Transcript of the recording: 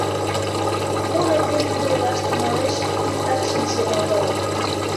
Мо нерген тудо ойлаш тӱҥалеш, иктат шинчен огыл.